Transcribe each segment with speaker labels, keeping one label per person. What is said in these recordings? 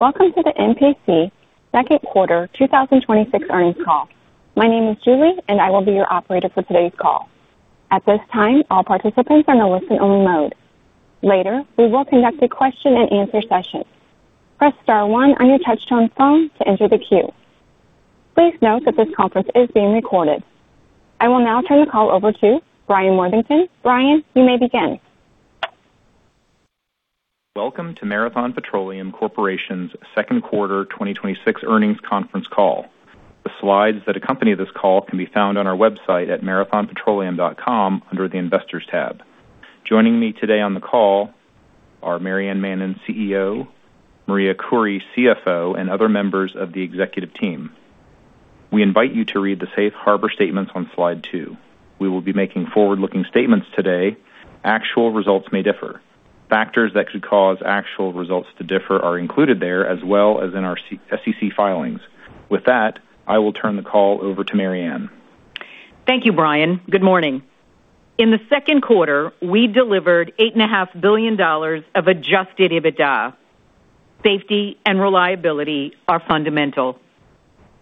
Speaker 1: Welcome to the MPC second quarter 2026 earnings call. My name is Julie, and I will be your operator for today's call. At this time, all participants are in a listen-only mode. Later, we will conduct a question-and-answer session. Press star one on your touch-tone phone to enter the queue. Please note that this conference is being recorded. I will now turn the call over to Brian Worthington. Brian, you may begin.
Speaker 2: Welcome to Marathon Petroleum Corporation's second quarter 2026 earnings conference call. The slides that accompany this call can be found on our website at marathonpetroleum.com under the Investors tab. Joining me today on the call are Maryann Mannen, CEO, Maria Khoury, CFO, and other members of the executive team. We invite you to read the safe harbor statements on slide two. We will be making forward-looking statements today. Actual results may differ. Factors that could cause actual results to differ are included there as well as in our SEC filings. With that, I will turn the call over to Maryann.
Speaker 3: Thank you, Brian. Good morning. In the second quarter, we delivered $8.5 billion of adjusted EBITDA. Safety and reliability are fundamental.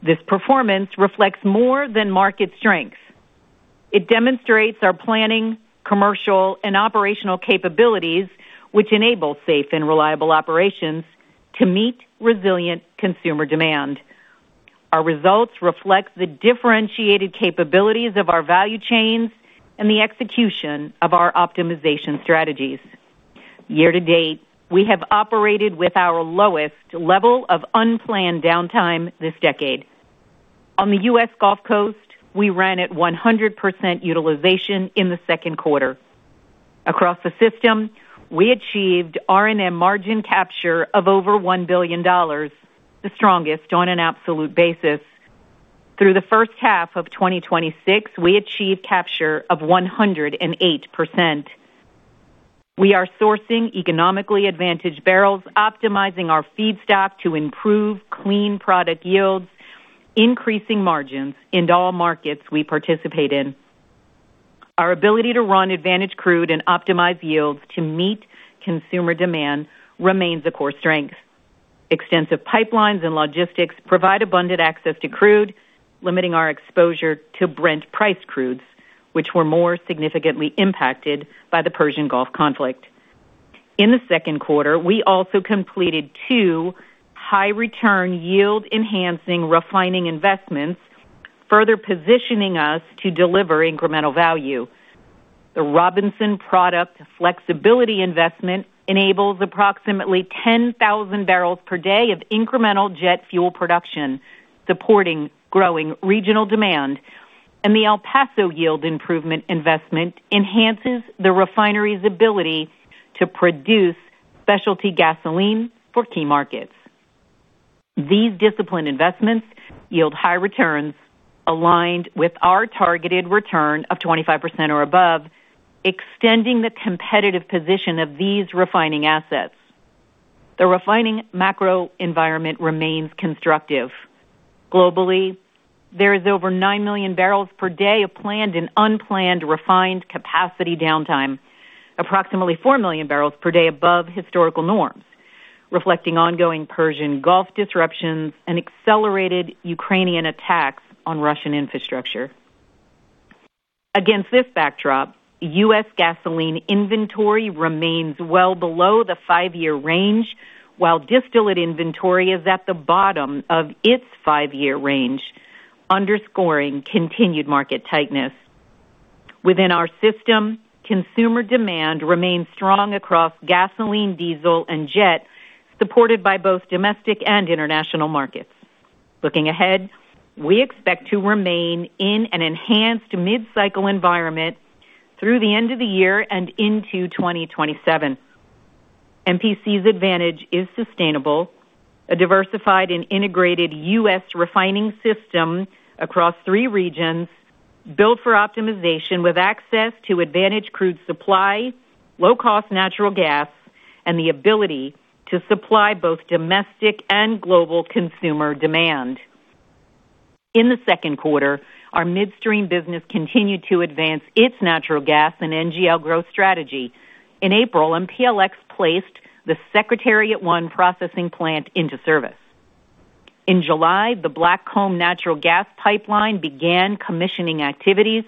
Speaker 3: This performance reflects more than market strength. It demonstrates our planning, commercial, and operational capabilities, which enable safe and reliable operations to meet resilient consumer demand. Our results reflect the differentiated capabilities of our value chains and the execution of our optimization strategies. Year to date, we have operated with our lowest level of unplanned downtime this decade. On the U.S. Gulf Coast, we ran at 100% utilization in the second quarter. Across the system, we achieved R&M margin capture of over $1 billion, the strongest on an absolute basis. Through the first half of 2026, we achieved capture of 108%. We are sourcing economically advantaged barrels, optimizing our feedstock to improve clean product yields, increasing margins in all markets we participate in. Our ability to run advantage crude and optimize yields to meet consumer demand remains a core strength. Extensive pipelines and logistics provide abundant access to crude, limiting our exposure to Brent-priced crudes, which were more significantly impacted by the Persian Gulf conflict. In the second quarter, we also completed two high-return, yield-enhancing refining investments, further positioning us to deliver incremental value. The Robinson product flexibility investment enables approximately 10,000 bpd of incremental jet fuel production, supporting growing regional demand, and the El Paso yield improvement investment enhances the refinery's ability to produce specialty gasoline for key markets. These disciplined investments yield high returns aligned with our targeted return of 25% or above, extending the competitive position of these refining assets. The refining macro environment remains constructive. Globally, there is over 9 million bpd of planned and unplanned refined capacity downtime, approximately 4 million bpd above historical norms, reflecting ongoing Persian Gulf disruptions and accelerated Ukrainian attacks on Russian infrastructure. Against this backdrop, U.S. gasoline inventory remains well below the five-year range, while distillate inventory is at the bottom of its five-year range, underscoring continued market tightness. Within our system, consumer demand remains strong across gasoline, diesel, and jet, supported by both domestic and international markets. Looking ahead, we expect to remain in an enhanced mid-cycle environment through the end of the year and into 2027. MPC's advantage is sustainable, a diversified and integrated U.S. refining system across three regions built for optimization with access to advantaged crude supply, low-cost natural gas, and the ability to supply both domestic and global consumer demand. In the second quarter, our midstream business continued to advance its natural gas and NGL growth strategy. In April, MPLX placed the Secretariat I processing plant into service. In July, the Blackcomb natural gas pipeline began commissioning activities.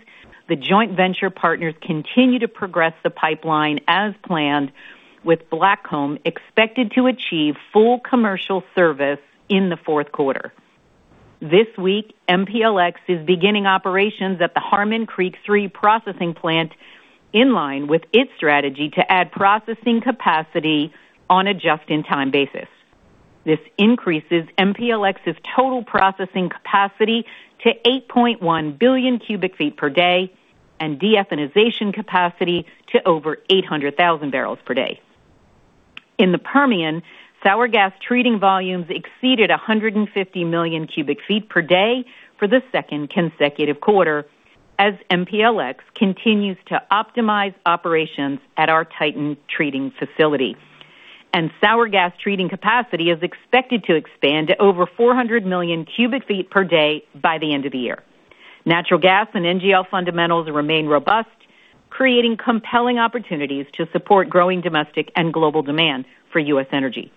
Speaker 3: The joint venture partners continue to progress the pipeline as planned, with Blackcomb expected to achieve full commercial service in the fourth quarter. This week, MPLX is beginning operations at the Harmon Creek III processing plant in line with its strategy to add processing capacity on a just-in-time basis. This increases MPLX's total processing capacity to 8.1 billion cu ft per day and de-ethanization capacity to over 800,000 bpd day. In the Permian, sour gas treating volumes exceeded 150 million cu ft per day for the second consecutive quarter as MPLX continues to optimize operations at our Titan treating facility, and sour gas treating capacity is expected to expand to over 400 million cu ft per day by the end of the year. Natural gas and NGL fundamentals remain robust, creating compelling opportunities to support growing domestic and global demand for U.S. energy.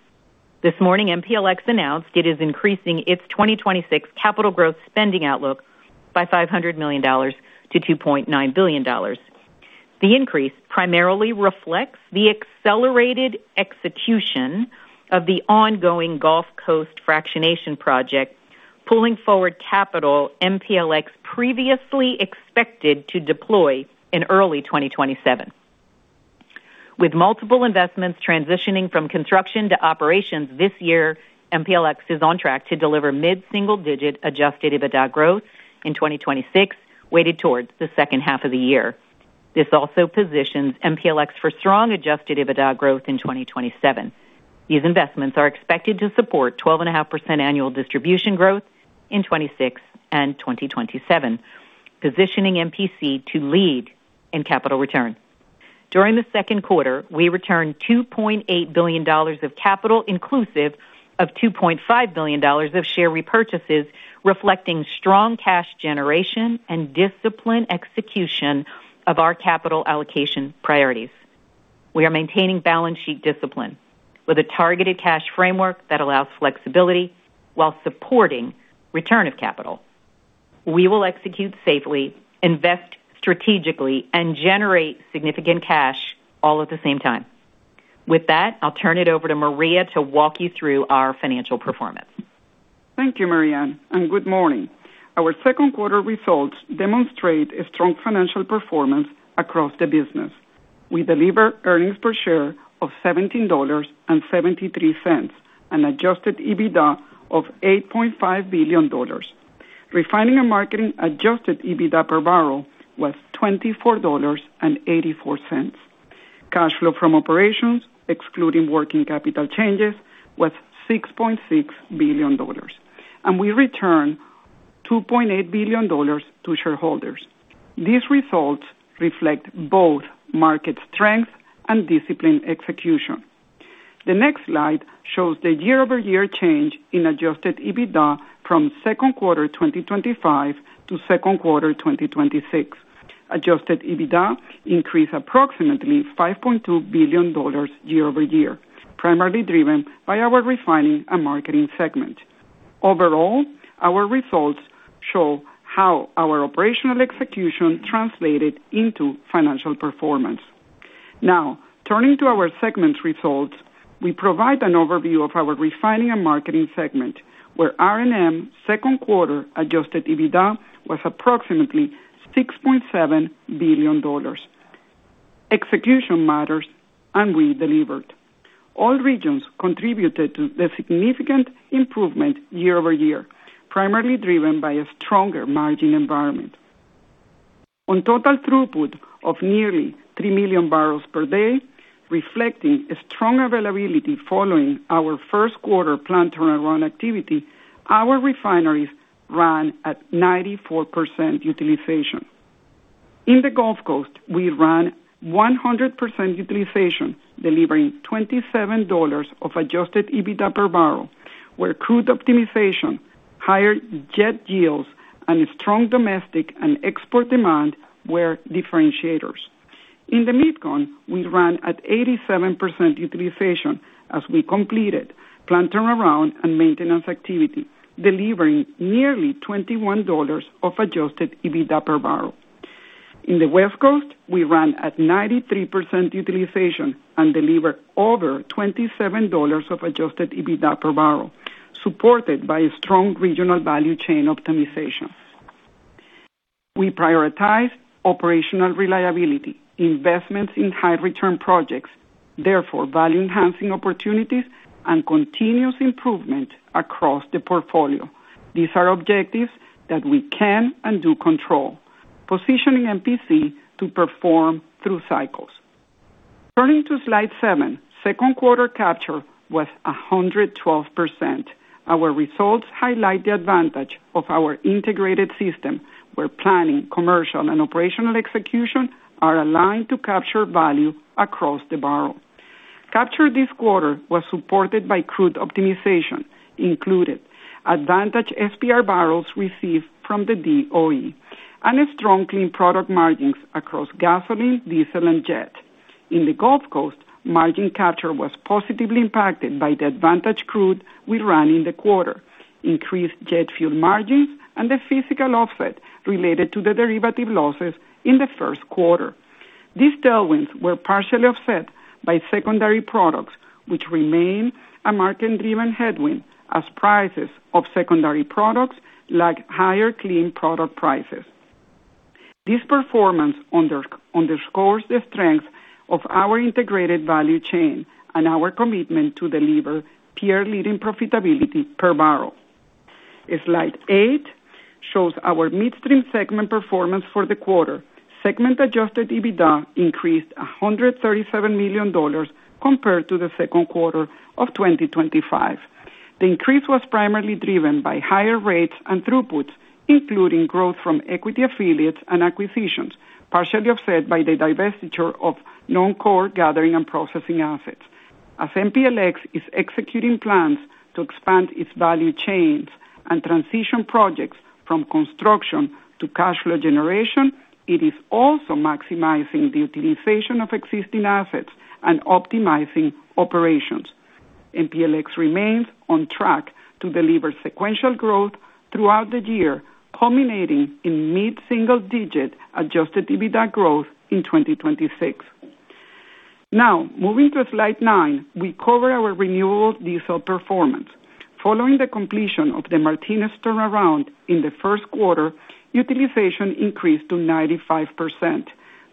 Speaker 3: This morning, MPLX announced it is increasing its 2026 capital growth spending outlook by $500 million to $2.9 billion. The increase primarily reflects the accelerated execution of the ongoing Gulf Coast fractionation project, pulling forward capital MPLX previously expected to deploy in early 2027. With multiple investments transitioning from construction to operations this year, MPLX is on track to deliver mid-single-digit adjusted EBITDA growth in 2026, weighted towards the second half of the year. This also positions MPLX for strong adjusted EBITDA growth in 2027. These investments are expected to support 12.5% annual distribution growth in 2026 and 2027, positioning MPC to lead in capital return. During the second quarter, we returned $2.8 billion of capital inclusive of $2.5 billion of share repurchases, reflecting strong cash generation and disciplined execution of our capital allocation priorities. We are maintaining balance sheet discipline with a targeted cash framework that allows flexibility while supporting return of capital. We will execute safely, invest strategically, and generate significant cash all at the same time. With that, I'll turn it over to Maria to walk you through our financial performance.
Speaker 4: Thank you, Maryann, and good morning. Our second quarter results demonstrate a strong financial performance across the business. We delivered earnings per share of $17.73, an adjusted EBITDA of $8.5 billion. Refining and marketing adjusted EBITDA per barrel was $24.84. Cash flow from operations, excluding working capital changes, was $6.6 billion. And we returned $2.8 billion to shareholders. These results reflect both market strength and disciplined execution. The next slide shows the year-over-year change in adjusted EBITDA from second quarter 2025 to second quarter 2026. Adjusted EBITDA increased approximately $5.2 billion year-over-year, primarily driven by our refining and marketing segment. Overall, our results show how our operational execution translated into financial performance. Turning to our segment results, we provide an overview of our refining and marketing segment, where R&M second quarter adjusted EBITDA was approximately $6.7 billion. Execution matters, and we delivered. All regions contributed to the significant improvement year-over-year, primarily driven by a stronger margin environment. On total throughput of nearly 3 million bpd, reflecting a strong availability following our first quarter plant turnaround activity, our refineries ran at 94% utilization. In the Gulf Coast, we ran 100% utilization, delivering $27 of adjusted EBITDA per barrel, where crude optimization, higher jet yields, and strong domestic and export demand were differentiators. In the MidCon, we ran at 87% utilization as we completed plant turnaround and maintenance activity, delivering nearly $21 of adjusted EBITDA per barrel. In the West Coast, we ran at 93% utilization and delivered over $27 of adjusted EBITDA per barrel, supported by a strong regional value chain optimization. We prioritize operational reliability, investments in high-return projects, therefore value-enhancing opportunities and continuous improvement across the portfolio. These are objectives that we can and do control, positioning MPC to perform through cycles. Turning to slide seven, second quarter capture was 112%. Our results highlight the advantage of our integrated system, where planning, commercial, and operational execution are aligned to capture value across the barrel. Capture this quarter was supported by crude optimization, included advantage SPR barrels received from the DOE, and a strong clean product margins across gasoline, diesel, and jet. In the Gulf Coast, margin capture was positively impacted by the advantage crude we ran in the quarter, increased jet fuel margins, and the physical offset related to the derivative losses in the first quarter. These tailwinds were partially offset by secondary products, which remain a market-driven headwind as prices of secondary products lag higher clean product prices. This performance underscores the strength of our integrated value chain and our commitment to deliver peer-leading profitability per barrel. Slide eight shows our midstream segment performance for the quarter. Segment adjusted EBITDA increased $137 million compared to the second quarter of 2025. The increase was primarily driven by higher rates and throughput, including growth from equity affiliates and acquisitions, partially offset by the divestiture of non-core gathering and processing assets. As MPLX is executing plans to expand its value chains and transition projects from construction to cash flow generation, it is also maximizing the utilization of existing assets and optimizing operations. MPLX remains on track to deliver sequential growth throughout the year, culminating in mid-single-digit adjusted EBITDA growth in 2026. Moving to slide nine, we cover our renewable diesel performance. Following the completion of the Martinez turnaround in the first quarter, utilization increased to 95%,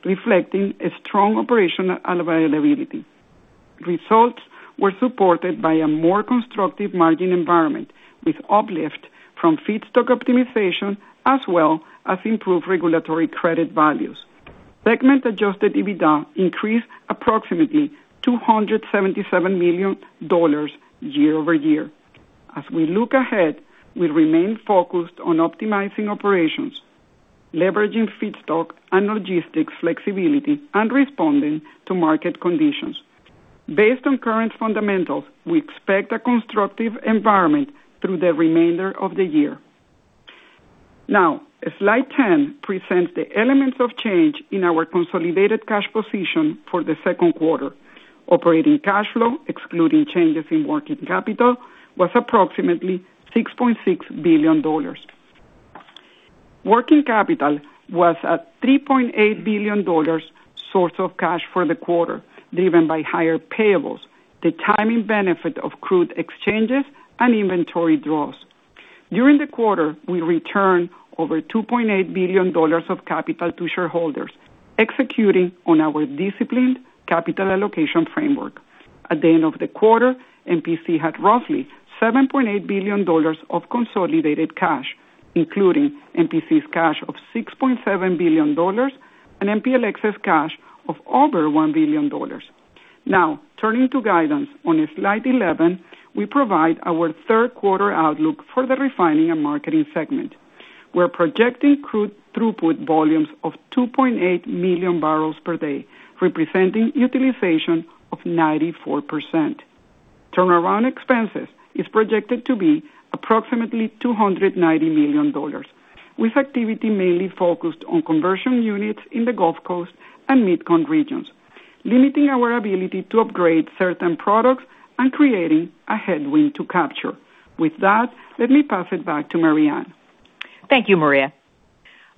Speaker 4: reflecting a strong operational availability. Results were supported by a more constructive margin environment, with uplift from feedstock optimization, as well as improved regulatory credit values. Segment adjusted EBITDA increased approximately $277 million year-over-year. As we look ahead, we remain focused on optimizing operations, leveraging feedstock and logistics flexibility, and responding to market conditions. Based on current fundamentals, we expect a constructive environment through the remainder of the year. Slide 10 presents the elements of change in our consolidated cash position for the second quarter. Operating cash flow, excluding changes in working capital, was approximately $6.6 billion. Working capital was at $3.8 billion source of cash for the quarter, driven by higher payables, the timing benefit of crude exchanges, and inventory draws. During the quarter, we returned over $2.8 billion of capital to shareholders, executing on our disciplined capital allocation framework. At the end of the quarter, MPC had roughly $7.8 billion of consolidated cash, including MPC's cash of $6.7 billion and MPLX's cash of over $1 billion. Turning to guidance on slide 11, we provide our third quarter outlook for the refining and marketing segment. We are projecting crude throughput volumes of 2.8 million bpd, representing utilization of 94%. Turnaround expenses is projected to be approximately $290 million. With activity mainly focused on conversion units in the Gulf Coast and MidCon regions, limiting our ability to upgrade certain products and creating a headwind to capture. With that, let me pass it back to Maryann.
Speaker 3: Thank you, Maria.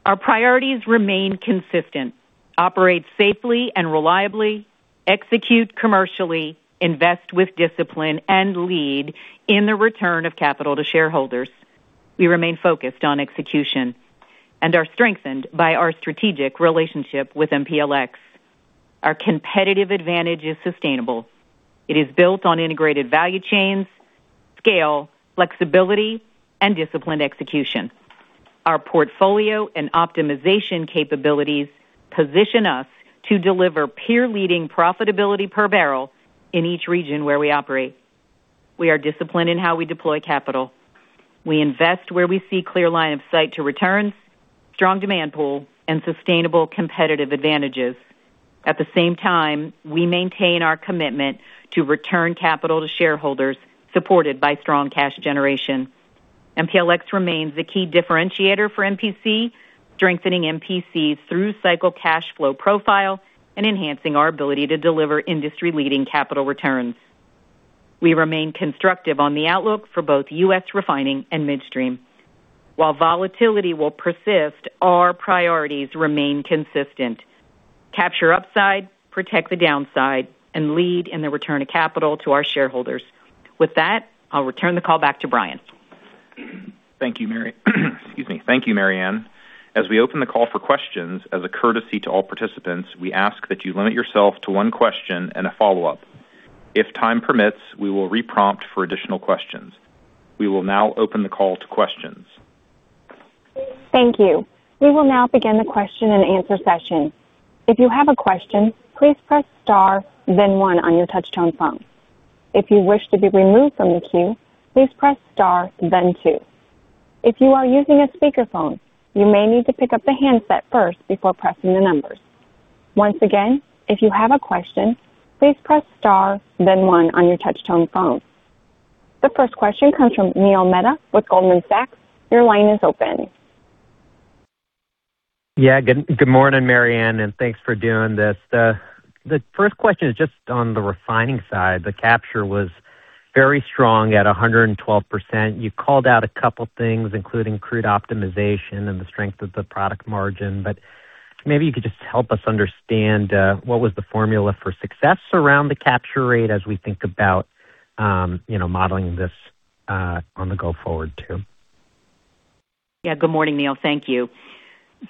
Speaker 3: Our priorities remain consistent: operate safely and reliably, execute commercially, invest with discipline, and lead in the return of capital to shareholders. We remain focused on execution and are strengthened by our strategic relationship with MPLX. Our competitive advantage is sustainable. It is built on integrated value chains, scale, flexibility, and disciplined execution. Our portfolio and optimization capabilities position us to deliver peer-leading profitability per barrel in each region where we operate. We are disciplined in how we deploy capital. We invest where we see clear line of sight to returns, strong demand pool, and sustainable competitive advantages. At the same time, we maintain our commitment to return capital to shareholders, supported by strong cash generation. MPLX remains the key differentiator for MPC, strengthening MPC through cycle cash flow profile, and enhancing our ability to deliver industry-leading capital returns. We remain constructive on the outlook for both U.S. refining and midstream. While volatility will persist, our priorities remain consistent: capture upside, protect the downside, and lead in the return of capital to our shareholders. With that, I'll return the call back to Brian.
Speaker 2: Thank you, Mary. Excuse me. Thank you, Maryann. As we open the call for questions, as a courtesy to all participants, we ask that you limit yourself to one question and a follow-up. If time permits, we will re-prompt for additional questions. We will now open the call to questions.
Speaker 1: Thank you. We will now begin the question-and-answer session. If you have a question, please press star, then one on your touchtone phone. If you wish to be removed from the queue, please press star, then two. If you are using a speakerphone, you may need to pick up the handset first before pressing the numbers. Once again, if you have a question, please press star, then one on your touchtone phone. The first question comes from Neil Mehta with Goldman Sachs. Your line is open.
Speaker 5: Yeah. Good morning, Maryann, thanks for doing this. The first question is just on the refining side. The capture was very strong at 112%. You called out a couple things, including crude optimization and the strength of the product margin. Maybe you could just help us understand what the formula for success around the capture rate was as we think about modeling this on the go forward, too.
Speaker 3: Yeah. Good morning, Neil. Thank you.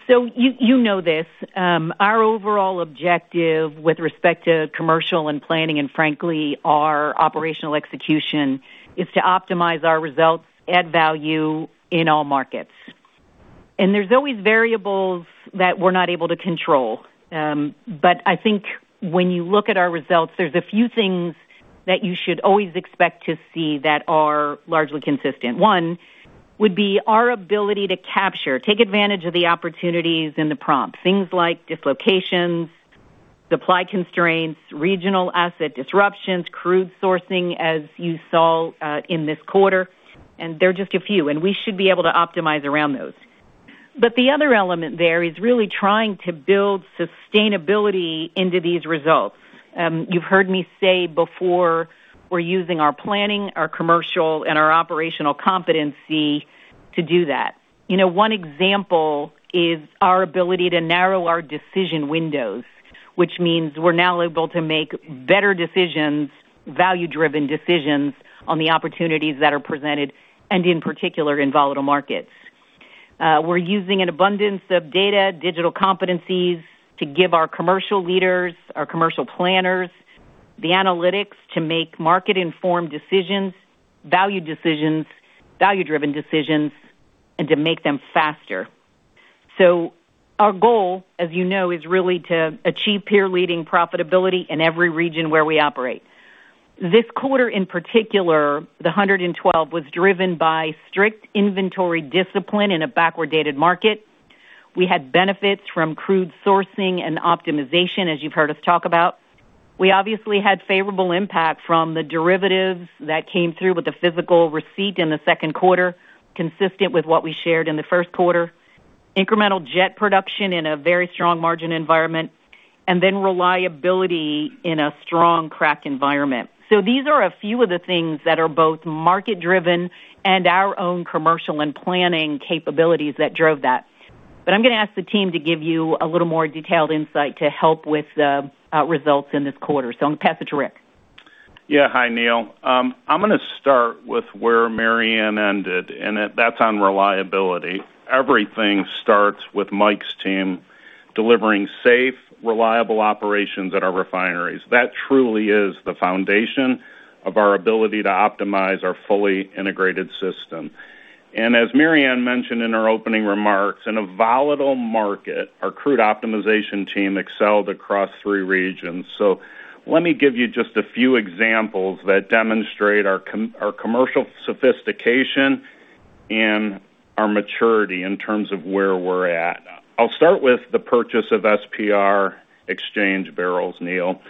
Speaker 3: You know this. Our overall objective with respect to commercial and planning, and frankly, our operational execution is to optimize our results, add value in all markets. There's always variables that we're not able to control. I think when you look at our results, there's a few things that you should always expect to see that are largely consistent. One- Would be our ability to capture, take advantage of the opportunities in the prompt. Things like dislocations, supply constraints, regional asset disruptions, crude sourcing, as you saw in this quarter, and they're just a few, and we should be able to optimize around those. The other element there is really trying to build sustainability into these results. You've heard me say before, we're using our planning, our commercial, and our operational competency to do that. One example is our ability to narrow our decision windows, which means we're now able to make better decisions, value-driven decisions on the opportunities that are presented, and in particular, in volatile markets. We're using an abundance of data, digital competencies to give our commercial leaders, our commercial planners, the analytics to make market-informed decisions, value decisions, value-driven decisions, and to make them faster. Our goal, as you know, is really to achieve peer-leading profitability in every region where we operate. This quarter, in particular, the 112 was driven by strict inventory discipline in a backward-dated market. We had benefits from crude sourcing and optimization, as you've heard us talk about. We obviously had favorable impact from the derivatives that came through with the physical receipt in the second quarter, consistent with what we shared in the first quarter. Incremental jet production in a very strong margin environment, then reliability in a strong crack environment. These are a few of the things that are both market-driven and our own commercial and planning capabilities that drove that. I'm going to ask the team to give you a little more detailed insight to help with the results in this quarter. I'm going to pass it to Rick.
Speaker 6: Yeah. Hi, Neil. I'm going to start with where Maryann ended, and that's on reliability. Everything starts with Mike's team delivering safe, reliable operations at our refineries. That truly is the foundation of our ability to optimize our fully integrated system. As Maryann mentioned in our opening remarks, in a volatile market, our crude optimization team excelled across three regions. Let me give you just a few examples that demonstrate our commercial sophistication and our maturity in terms of where we're at. I'll start with the purchase of SPR exchange barrels, Neil.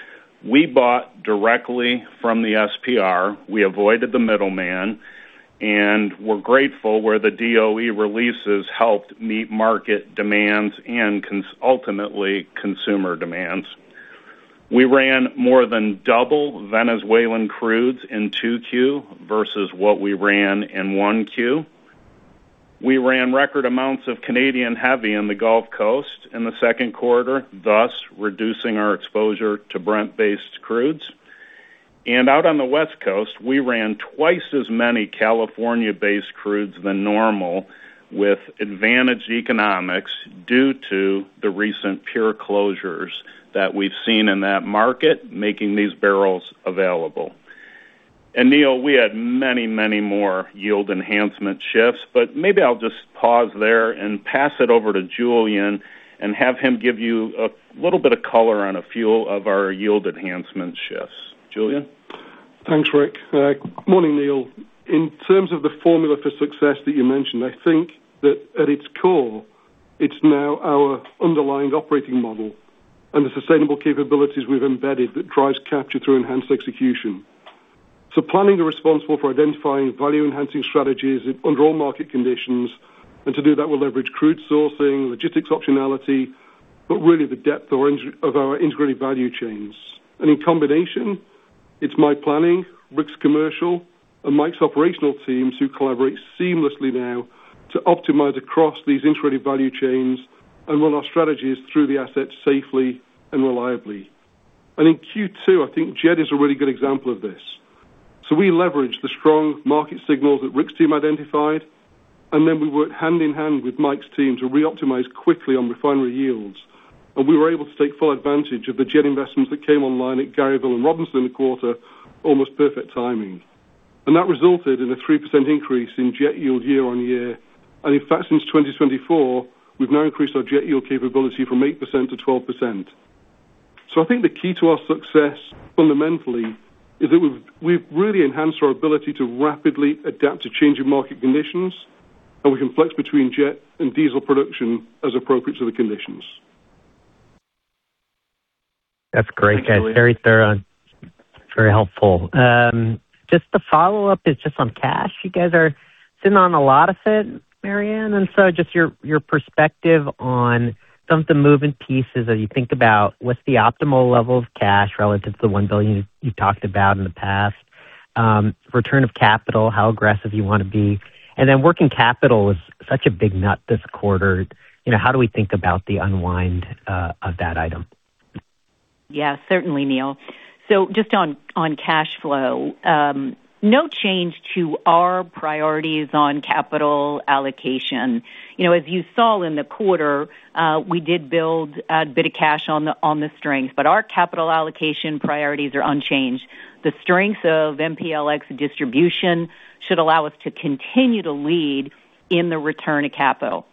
Speaker 6: We bought directly from the SPR. We avoided the middleman, and we're grateful where the DOE releases helped meet market demands and ultimately consumer demands. We ran more than double Venezuelan crudes in 2 Q versus what we ran in 1 Q. We ran record amounts of Canadian heavy in the Gulf Coast in the second quarter, thus reducing our exposure to Brent-based crudes. Out on the West Coast, we ran twice as many California-based crudes than normal with advantaged economics due to the recent pure closures that we've seen in that market, making these barrels available. Neil, we had many more yield enhancement shifts, but maybe I'll just pause there and pass it over to Julian and have him give you a little bit of color on a few of our yield enhancement shifts. Julian.
Speaker 7: Thanks, Rick. Morning, Neil. In terms of the formula for success that you mentioned, I think that at its core, it's now our underlying operating model and the sustainable capabilities we've embedded that drives capture through enhanced execution. Planning are responsible for identifying value-enhancing strategies under all market conditions. To do that, we'll leverage crude sourcing, logistics optionality, but really the depth of our integrated value chains. In combination, it's my planning, Rick's commercial, and Mike's operational teams who collaborate seamlessly now to optimize across these integrated value chains and run our strategies through the assets safely and reliably. In Q2, I think Jet is a really good example of this. We leveraged the strong market signals that Rick's team identified, and then we worked hand-in-hand with Mike's team to reoptimize quickly on refinery yields. We were able to take full advantage of the Jet investments that came online at Garyville and Robinson a quarter, almost perfect timing. That resulted in a 3% increase in Jet yield year-over-year. In fact, since 2024, we've now increased our Jet yield capability from 8% to 12%. I think the key to our success, fundamentally, is that we've really enhanced our ability to rapidly adapt to changing market conditions, and we can flex between Jet and diesel production as appropriate to the conditions.
Speaker 5: That's great, guys. Very thorough. Very helpful. Just a follow-up is just on cash. You guys are sitting on a lot of it, Maryann, just your perspective on some of the moving pieces as you think about what's the optimal level of cash relative to the $1 billion you talked about in the past. Return of capital, how aggressive you want to be. Working capital is such a big nut this quarter. How do we think about the unwind of that item?
Speaker 3: Yeah, certainly, Neil. Just on cash flow. No change to our priorities on capital allocation. As you saw in the quarter, we did build a bit of cash on the strength, our capital allocation priorities are unchanged. The strengths of MPLX distribution should allow us to continue to lead in the return of capital.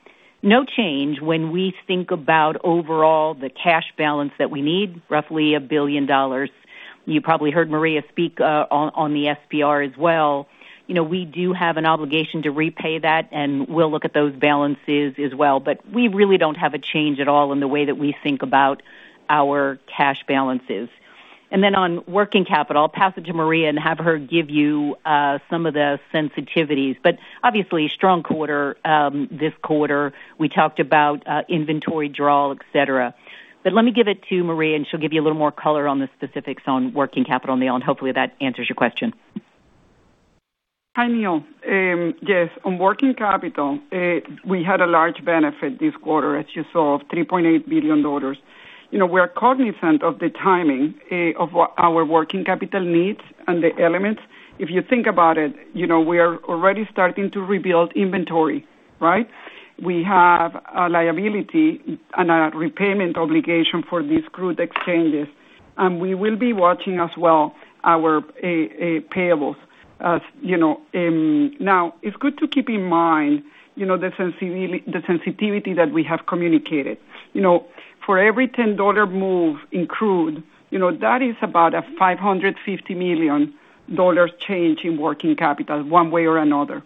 Speaker 3: No change when we think about overall the cash balance that we need, roughly $1 billion. You probably heard Maria speak on the SPR as well. We do have an obligation to repay that, and we'll look at those balances as well. We really don't have a change at all in the way that we think about our cash balances. On working capital, I'll pass it to Maria and have her give you some of the sensitivities, but obviously a strong quarter this quarter. We talked about inventory draw, et cetera. Let me give it to Maria, and she'll give you a little more color on the specifics on working capital, Neil, and hopefully that answers your question.
Speaker 4: Hi, Neil. Yes. On working capital, we had a large benefit this quarter, as you saw, of $3.8 billion. We're cognizant of the timing of our working capital needs and the elements. If you think about it, we are already starting to rebuild inventory, right? We have a liability and a repayment obligation for these crude exchanges, and we will be watching as well our payables. It's good to keep in mind the sensitivity that we have communicated. For every $10 move in crude, that is about a $550 million change in working capital one way or another.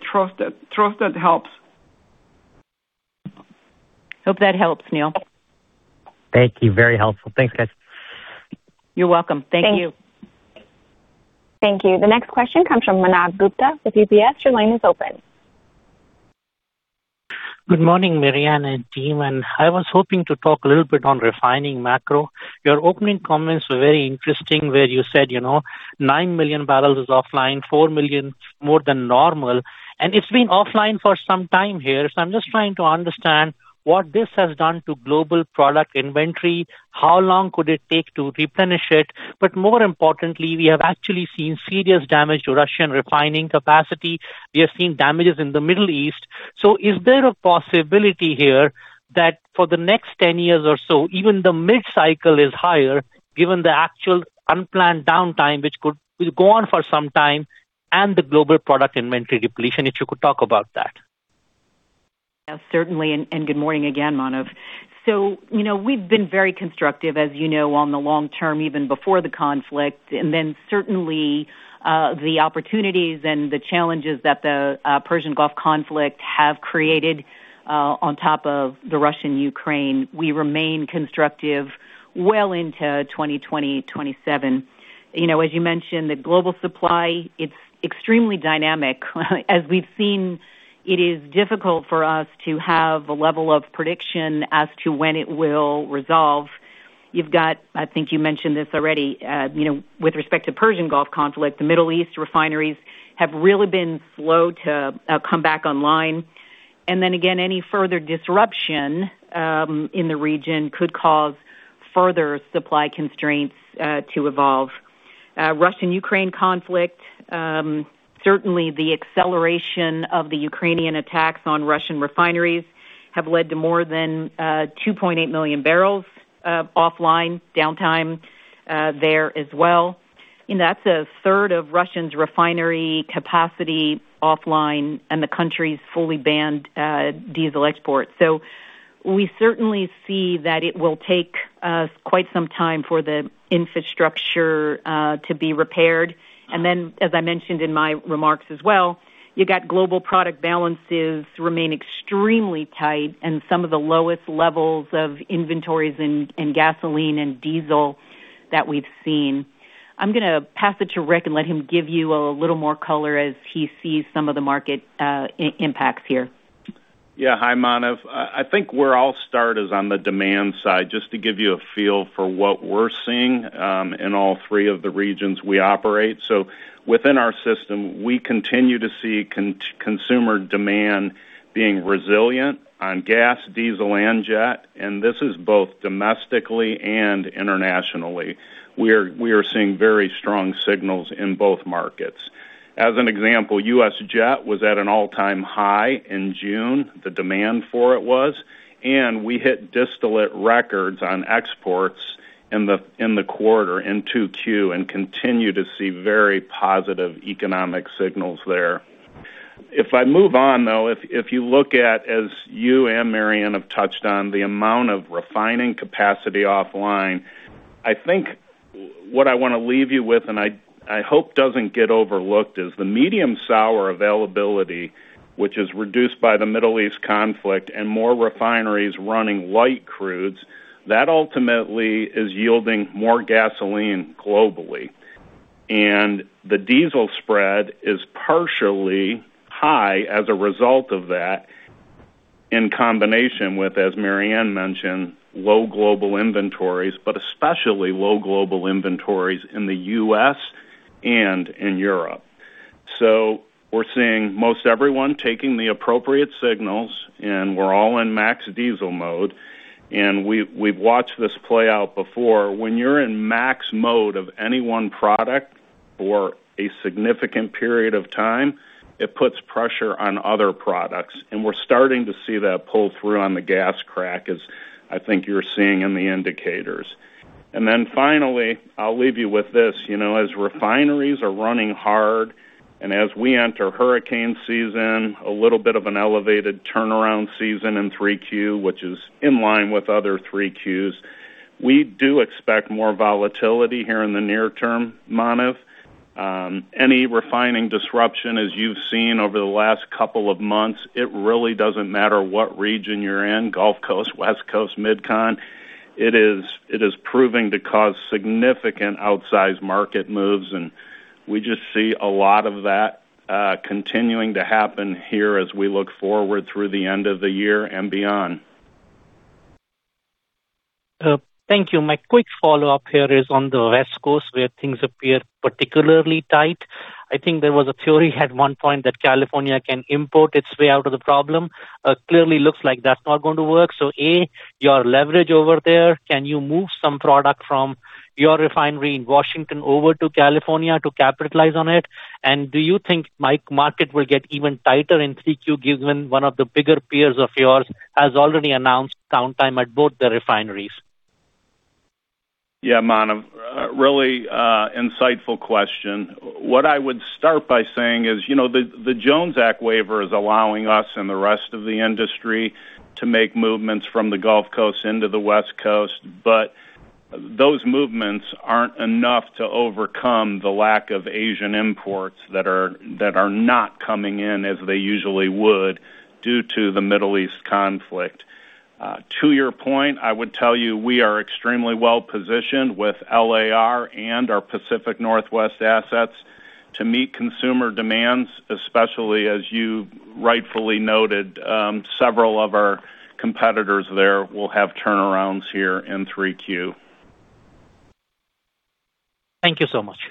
Speaker 4: Trust that helps.
Speaker 3: Hope that helps, Neil.
Speaker 5: Thank you. Very helpful. Thanks, guys.
Speaker 3: You're welcome. Thank you.
Speaker 1: Thank you. The next question comes from Manav Gupta with UBS. Your line is open.
Speaker 8: Good morning, Maryann and team. I was hoping to talk a little bit on refining macro. Your opening comments were very interesting, where you said 9 million barrels is offline, 4 million more than normal, and it's been offline for some time here. I'm just trying to understand what this has done to global product inventory, how long could it take to replenish it. More importantly, we have actually seen serious damage to Russian refining capacity. We are seeing damages in the Middle East. Is there a possibility here that for the next 10 years or so, even the mid-cycle is higher given the actual unplanned downtime which will go on for some time and the global product inventory depletion, if you could talk about that?
Speaker 3: Certainly, good morning again, Manav. We've been very constructive, as you know, on the long term, even before the conflict. Certainly the opportunities and the challenges that the Persian Gulf conflict have created on top of the Russian-Ukraine. We remain constructive well into 2027. As you mentioned, the global supply, it's extremely dynamic. As we've seen, it is difficult for us to have a level of prediction as to when it will resolve. You've got, I think you mentioned this already, with respect to Persian Gulf conflict, the Middle East refineries have really been slow to come back online. Again, any further disruption in the region could cause further supply constraints to evolve. Russian-Ukraine conflict, certainly the acceleration of the Ukrainian attacks on Russian refineries have led to more than 2.8 million bbl offline downtime there as well. That's a third of Russia's refinery capacity offline, and the country's fully banned diesel export. We certainly see that it will take quite some time for the infrastructure to be repaired. As I mentioned in my remarks as well, you got global product balances remain extremely tight and some of the lowest levels of inventories in gasoline and diesel that we've seen. I'm going to pass it to Rick and let him give you a little more color as he sees some of the market impacts here.
Speaker 6: Yeah. Hi, Manav. I think where I'll start is on the demand side, just to give you a feel for what we're seeing in all three of the regions we operate. Within our system, we continue to see consumer demand being resilient on gas, diesel, and jet, and this is both domestically and internationally. We are seeing very strong signals in both markets. As an example, U.S. jet was at an all-time high in June. The demand for it was, and we hit distillate records on exports in the quarter in Q2 and continue to see very positive economic signals there. If I move on, though, if you look at, as you and Maryann have touched on, the amount of refining capacity offline, I think what I want to leave you with, and I hope doesn't get overlooked, is the medium sour availability, which is reduced by the Middle East conflict and more refineries running light crudes, that ultimately is yielding more gasoline globally. The diesel spread is partially high as a result of that in combination with, as Maryann mentioned, low global inventories, but especially low global inventories in the U.S. and in Europe. We're seeing most everyone taking the appropriate signals, and we're all in max diesel mode, and we've watched this play out before. When you're in max mode of any one product for a significant period of time, it puts pressure on other products, and we're starting to see that pull through on the gas crack as I think you're seeing in the indicators. Finally, I'll leave you with this. As refineries are running hard and as we enter hurricane season, a little bit of an elevated turnaround season in 3Q, which is in line with other 3Qs, we do expect more volatility here in the near term, Manav. Any refining disruption as you've seen over the last couple of months, it really doesn't matter what region you're in, Gulf Coast, West Coast, MidCon, it is proving to cause significant outsized market moves, and we just see a lot of that continuing to happen here as we look forward through the end of the year and beyond.
Speaker 8: Thank you. My quick follow-up here is on the West Coast, where things appear particularly tight. I think there was a theory at one point that California can import its way out of the problem. Clearly looks like that's not going to work. A, your leverage over there, can you move some product from your refinery in Washington over to California to capitalize on it? Do you think market will get even tighter in 3Q, given one of the bigger peers of yours has already announced downtime at both the refineries?
Speaker 6: Yeah, Manav. Really insightful question. What I would start by saying is, the Jones Act waiver is allowing us and the rest of the industry to make movements from the Gulf Coast into the West Coast, but those movements aren't enough to overcome the lack of Asian imports that are not coming in as they usually would due to the Middle East conflict. To your point, I would tell you we are extremely well-positioned with LAR and our Pacific Northwest assets to meet consumer demands, especially as you rightfully noted, several of our competitors there will have turnarounds here in 3Q.
Speaker 8: Thank you so much.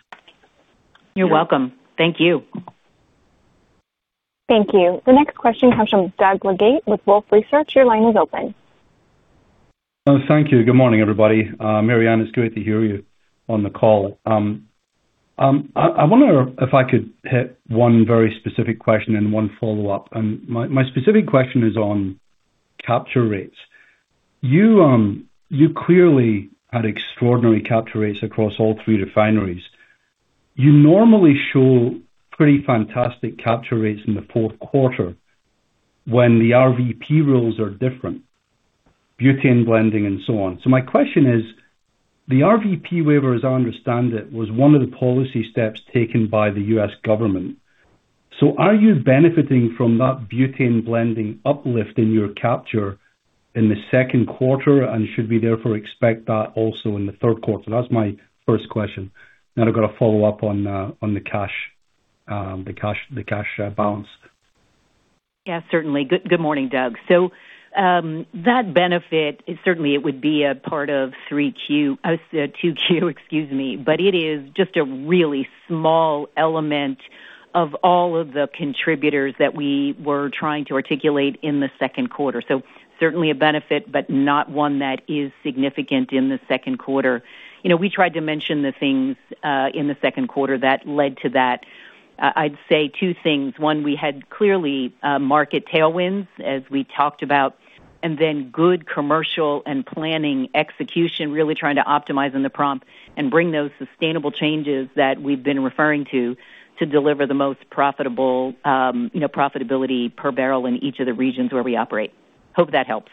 Speaker 3: You're welcome. Thank you.
Speaker 1: Thank you. The next question comes from Doug Leggate with Wolfe Research. Your line is open.
Speaker 9: Thank you. Good morning, everybody. Maryann, it's great to hear you on the call. I wonder if I could hit one very specific question and one follow-up. My specific question is on capture rates. You clearly had extraordinary capture rates across all three refineries. You normally show pretty fantastic capture rates in the fourth quarter when the RVP rules are different, butane blending and so on. My question is, the RVP waiver, as I understand it, was one of the policy steps taken by the U.S. government. Are you benefiting from that butane blending uplift in your capture in the second quarter, and should we therefore expect that also in the third quarter? That's my first question. I've got a follow-up on the cash balance.
Speaker 3: Yeah, certainly. Good morning, Doug. That benefit, certainly it would be a part of 2Q, but it is just a really small element of all of the contributors that we were trying to articulate in the second quarter. Certainly a benefit, but not one that is significant in the second quarter. We tried to mention the things in the second quarter that led to that. I'd say two things. One, we had clearly market tailwinds, as we talked about, and then good commercial and planning execution, really trying to optimize in the prompt and bring those sustainable changes that we've been referring to deliver the most profitability per barrel in each of the regions where we operate. Hope that helps.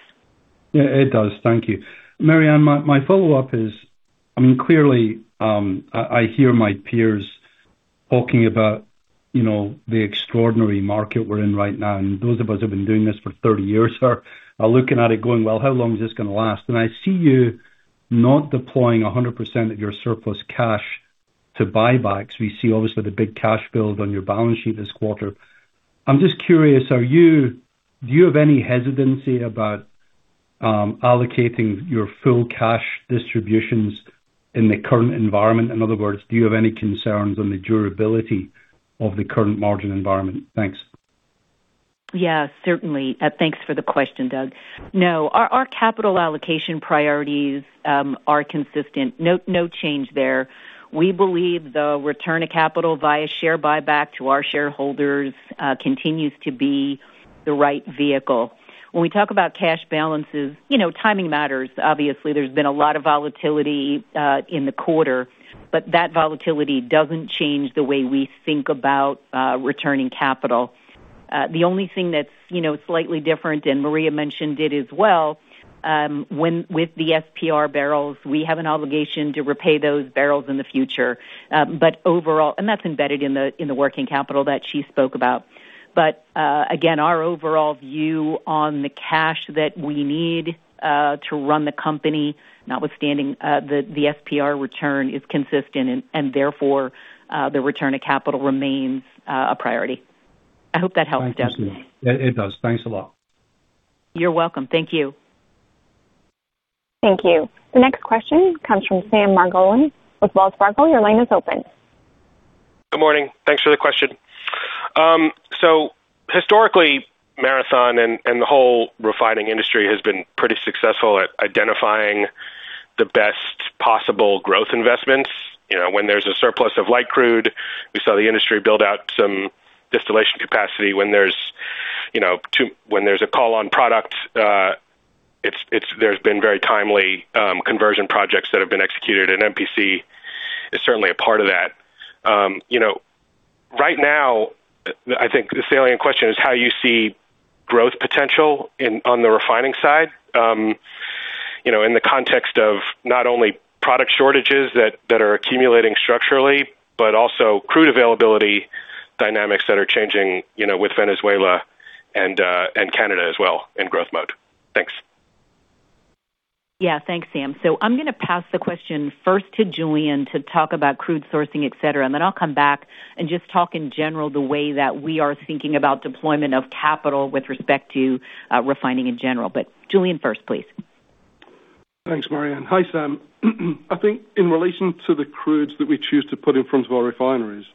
Speaker 9: Yeah, it does. Thank you. Maryann, my follow-up is, clearly, I hear my peers talking about the extraordinary market we're in right now, and those of us who have been doing this for 30 years are looking at it going, "Well, how long is this going to last?" I see you not deploying 100% of your surplus cash to buybacks. We see obviously the big cash build on your balance sheet this quarter. I'm just curious, do you have any hesitancy about allocating your full cash distributions in the current environment? In other words, do you have any concerns on the durability of the current margin environment? Thanks.
Speaker 3: Yeah, certainly. Thanks for the question, Doug. No, our capital allocation priorities are consistent. No change there. We believe the return of capital via share buyback to our shareholders continues to be the right vehicle. When we talk about cash balances, timing matters. Obviously, there's been a lot of volatility in the quarter, but that volatility doesn't change the way we think about returning capital. The only thing that's slightly different, and Maria mentioned it as well, with the SPR barrels, we have an obligation to repay those barrels in the future. That's embedded in the working capital that she spoke about. Again, our overall view on the cash that we need to run the company, notwithstanding the SPR return, is consistent and therefore, the return of capital remains a priority. I hope that helps, Doug.
Speaker 9: It does. Thanks a lot.
Speaker 3: You're welcome. Thank you.
Speaker 1: Thank you. The next question comes from Sam Margolin with Wells Fargo. Your line is open.
Speaker 10: Good morning. Thanks for the question. Historically, Marathon and the whole refining industry has been pretty successful at identifying the best possible growth investments. When there's a surplus of light crude, we saw the industry build out some distillation capacity. When there's a call on product, there's been very timely conversion projects that have been executed, and MPC is certainly a part of that. Right now, I think the salient question is how you see growth potential on the refining side, in the context of not only product shortages that are accumulating structurally, but also crude availability dynamics that are changing with Venezuela and Canada as well in growth mode. Thanks.
Speaker 3: Thanks, Sam. I'm going to pass the question first to Julian to talk about crude sourcing, et cetera, and then I'll come back and just talk in general the way that we are thinking about deployment of capital with respect to refining in general. Julian first, please.
Speaker 7: Thanks, Maryann. Hi, Sam. In relation to the crudes that we choose to put in front of our refineries,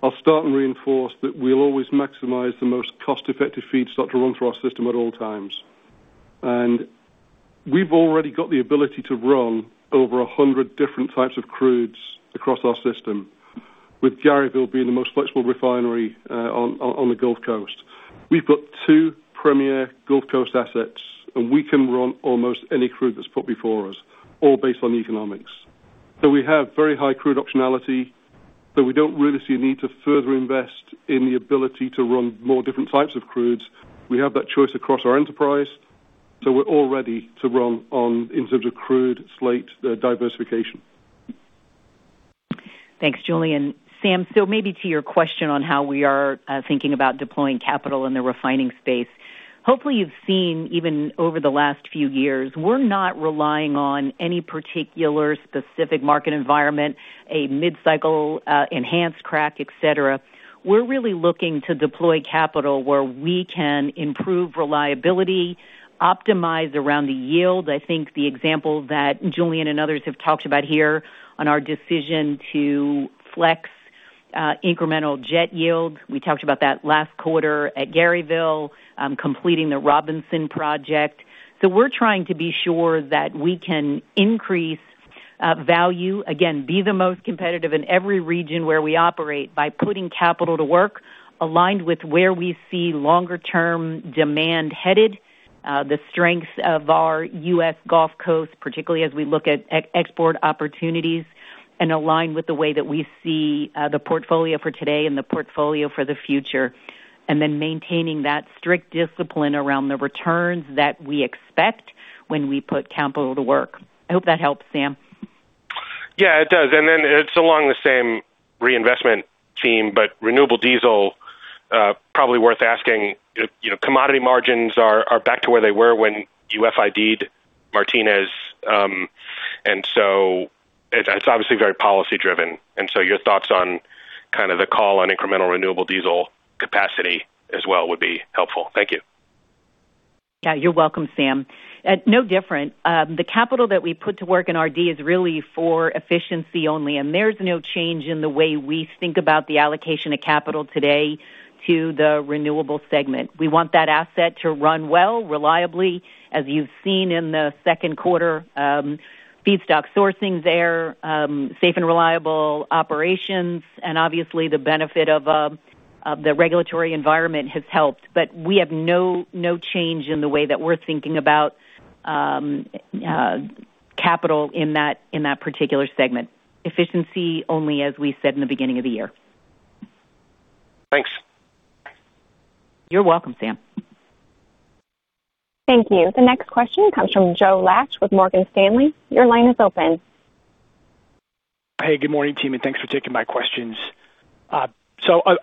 Speaker 7: I'll start and reinforce that we'll always maximize the most cost-effective feedstock to run through our system at all times. We've already got the ability to run over 100 different types of crudes across our system, with Garyville being the most flexible refinery on the Gulf Coast. We've got two premier Gulf Coast assets, and we can run almost any crude that's put before us, all based on economics. We have very high crude optionality, but we don't really see a need to further invest in the ability to run more different types of crudes. We have that choice across our enterprise, we're all ready to run on in terms of crude slate diversification.
Speaker 3: Thanks, Julian. Sam, maybe to your question on how we are thinking about deploying capital in the refining space. Hopefully, you've seen even over the last few years, we're not relying on any particular specific market environment, a mid-cycle enhanced crack, et cetera. We're really looking to deploy capital where we can improve reliability, optimize around the yield. The example that Julian and others have talked about here on our decision to flex incremental jet yields. We talked about that last quarter at Garyville, completing the Robinson project. We're trying to be sure that we can increase value, again, be the most competitive in every region where we operate by putting capital to work aligned with where we see longer-term demand headed, the strengths of our U.S. Gulf Coast, particularly as we look at export opportunities and align with the way that we see the portfolio for today and the portfolio for the future. Maintaining that strict discipline around the returns that we expect when we put capital to work. I hope that helps, Sam.
Speaker 10: Yeah, it does. It's along the same reinvestment theme, but renewable diesel, probably worth asking. Commodity margins are back to where they were when you FID'd Martinez. It's obviously very policy-driven. Your thoughts on kind of the call on incremental renewable diesel capacity as well would be helpful. Thank you.
Speaker 3: Yeah, you're welcome, Sam. No different. The capital that we put to work in RD is really for efficiency only, there's no change in the way we think about the allocation of capital today to the renewable segment. We want that asset to run well, reliably, as you've seen in the second quarter, feedstock sourcing there, safe and reliable operations, obviously the benefit of the regulatory environment has helped. We have no change in the way that we're thinking about capital in that particular segment. Efficiency only, as we said in the beginning of the year.
Speaker 10: Thanks.
Speaker 3: You're welcome, Sam.
Speaker 1: Thank you. The next question comes from Joe Laetsch with Morgan Stanley. Your line is open.
Speaker 11: Hey, good morning, team. Thanks for taking my questions. I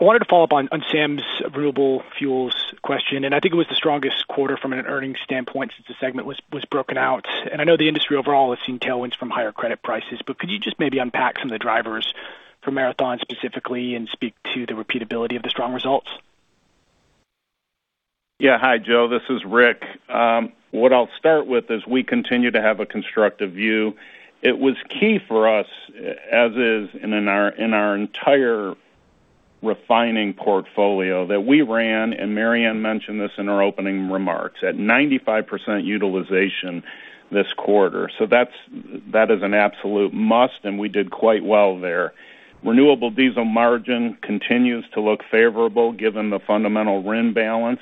Speaker 11: wanted to follow up on Sam's renewable fuels question. I think it was the strongest quarter from an earnings standpoint since the segment was broken out. I know the industry overall has seen tailwinds from higher credit prices. Could you just maybe unpack some of the drivers for Marathon specifically and speak to the repeatability of the strong results?
Speaker 6: Hi, Joe. This is Rick. What I'll start with is we continue to have a constructive view. It was key for us, as is in our entire refining portfolio, that we ran, Maryann mentioned this in our opening remarks, at 95% utilization this quarter. That is an absolute must. We did quite well there. Renewable diesel margin continues to look favorable given the fundamental RIN balance.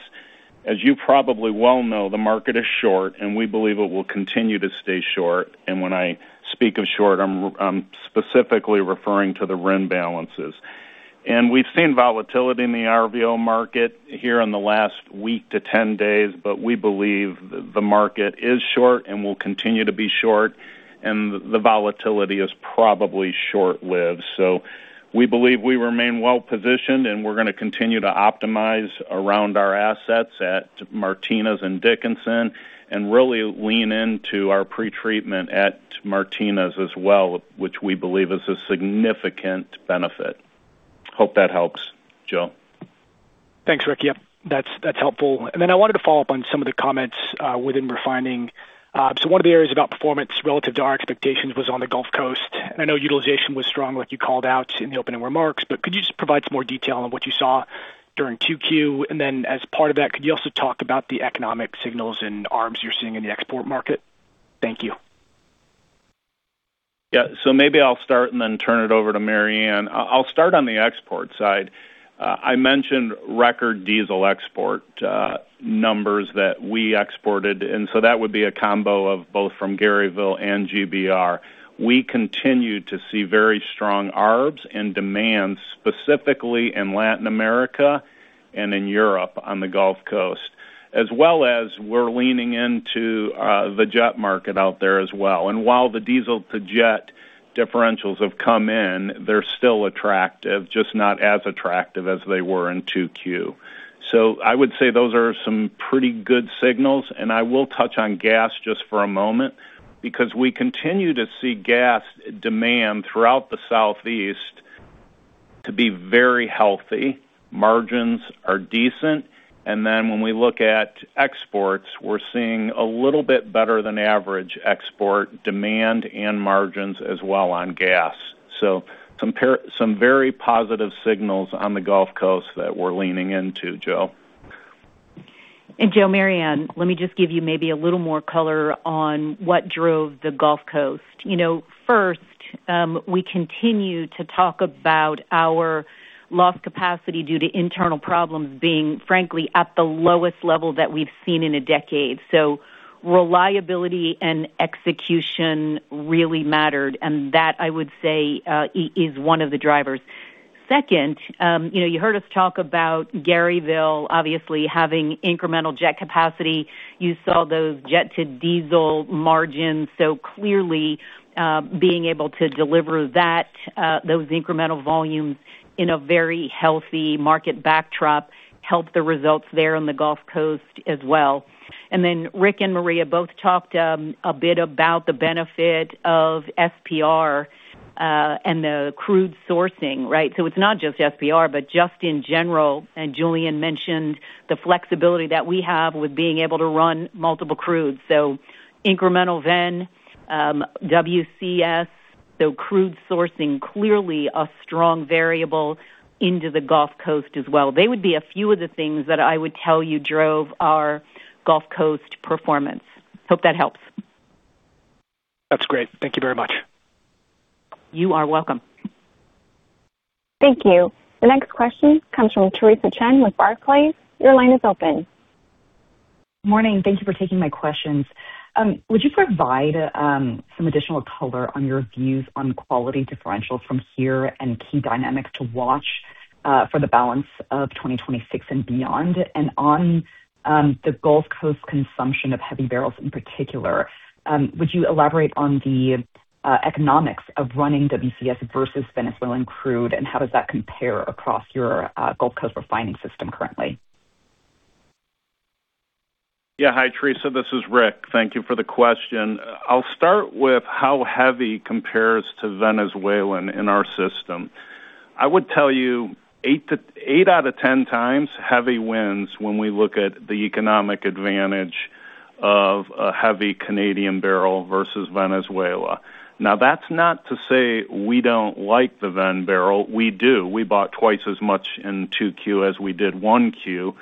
Speaker 6: As you probably well know, the market is short. We believe it will continue to stay short. When I speak of short, I'm specifically referring to the RIN balances. We've seen volatility in the RVO market here in the last week to 10 days. We believe the market is short and will continue to be short, and the volatility is probably short-lived. We believe we remain well-positioned. We're going to continue to optimize around our assets at Martinez and Dickinson and really lean into our pretreatment at Martinez as well, which we believe is a significant benefit. Hope that helps, Joe.
Speaker 11: Thanks, Rick. That's helpful. I wanted to follow up on some of the comments within refining. One of the areas about performance relative to our expectations was on the Gulf Coast. I know utilization was strong, like you called out in the opening remarks, could you just provide some more detail on what you saw during 2Q? As part of that, could you also talk about the economic signals and arbs you're seeing in the export market? Thank you.
Speaker 6: Maybe I'll start, turn it over to Maryann Mannen. I'll start on the export side. I mentioned record diesel export numbers that we exported, that would be a combo of both from Garyville and GBR. We continue to see very strong arbs and demand, specifically in Latin America and in Europe on the Gulf Coast, as well as we're leaning into the jet market out there as well. While the diesel-to-jet differentials have come in, they're still attractive, just not as attractive as they were in 2Q. I would say those are some pretty good signals, I will touch on gas just for a moment, because we continue to see gas demand throughout the Southeast to be very healthy. Margins are decent. When we look at exports, we're seeing a little bit better than average export demand and margins as well on gas. Some very positive signals on the Gulf Coast that we're leaning into, Joe.
Speaker 3: Joe, Maryann Mannen, let me just give you maybe a little more color on what drove the Gulf Coast. First, we continue to talk about our lost capacity due to internal problems being, frankly, at the lowest level that we've seen in a decade. Reliability and execution really mattered, that, I would say, is one of the drivers. Second, you heard us talk about Garyville obviously having incremental jet capacity. You saw those jet-to-diesel margins. Clearly, being able to deliver those incremental volumes in a very healthy market backdrop helped the results there on the Gulf Coast as well. Rick and Maria both talked a bit about the benefit of SPR and the crude sourcing, right? It's not just SPR, but just in general, Julian mentioned the flexibility that we have with being able to run multiple crudes. Incremental Venezuelan, WCS. Crude sourcing, clearly a strong variable into the Gulf Coast as well. They would be a few of the things that I would tell you drove our Gulf Coast performance. Hope that helps.
Speaker 11: That's great. Thank you very much.
Speaker 3: You are welcome.
Speaker 1: Thank you. The next question comes from Theresa Chen with Barclays. Your line is open.
Speaker 12: Morning. Thank you for taking my questions. Would you provide some additional color on your views on quality differentials from here and key dynamics to watch for the balance of 2026 and beyond? On the Gulf Coast consumption of heavy barrels in particular, would you elaborate on the economics of running WCS versus Venezuelan crude, and how does that compare across your Gulf Coast refining system currently?
Speaker 6: Yeah. Hi, Theresa. This is Rick. Thank you for the question. I'll start with how heavy compares to Venezuelan in our system. I would tell you eight out of 10x, heavy wins when we look at the economic advantage of a heavy Canadian barrel versus Venezuela. That's not to say we don't like the Ven barrel. We do. We bought twice as much in 2Q as we did 1Q.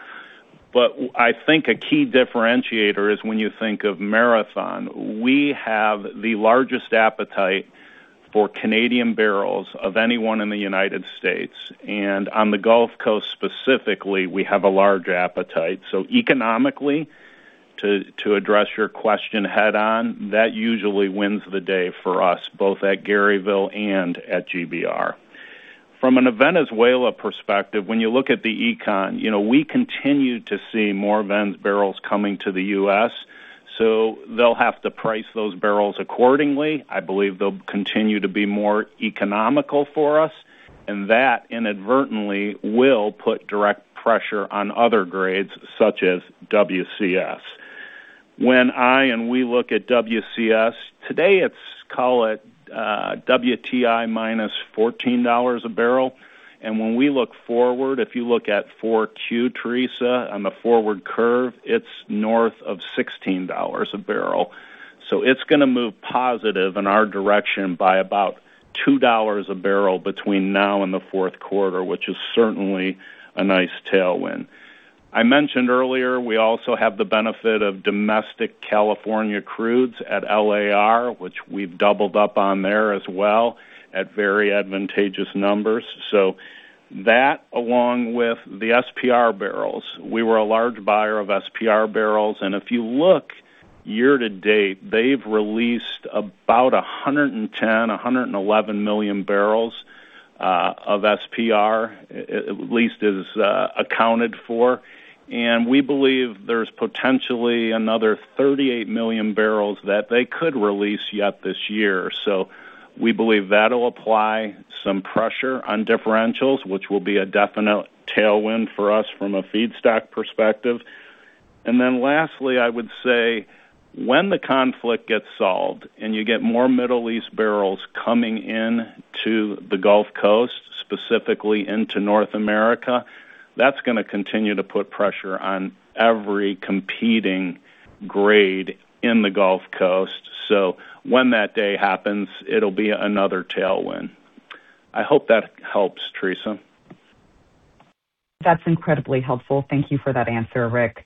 Speaker 6: I think a key differentiator is when you think of Marathon, we have the largest appetite for Canadian barrels of anyone in the U.S. On the Gulf Coast specifically, we have a large appetite. Economically, to address your question head on, that usually wins the day for us, both at Garyville and at GBR. From a Venezuela perspective, when you look at the econ, we continue to see more Ven barrels coming to the U.S., they'll have to price those barrels accordingly. I believe they'll continue to be more economical for us, that inadvertently will put direct pressure on other grades such as WCS. When we look at WCS, today, let's call it WTI, $-14 a barrel. When we look forward, if you look at Q4, Theresa, on the forward curve, it's north of $16 a barrel. It's going to move positive in our direction by about $2 a barrel between now and the fourth quarter, which is certainly a nice tailwind. I mentioned earlier we also have the benefit of domestic California crudes at LAR, which we've doubled up on there as well at very advantageous numbers. That along with the SPR barrels. We were a large buyer of SPR barrels, if you look year-to-date, they've released about 110, 111 million bbl of SPR, at least is accounted for. We believe there's potentially another 38 million bbl that they could release yet this year. We believe that'll apply some pressure on differentials, which will be a definite tailwind for us from a feedstock perspective. Lastly, I would say when the conflict gets solved and you get more Middle East barrels coming into the Gulf Coast, specifically into North America, that's going to continue to put pressure on every competing grade in the Gulf Coast. When that day happens, it'll be another tailwind. I hope that helps, Theresa.
Speaker 12: That's incredibly helpful. Thank you for that answer, Rick.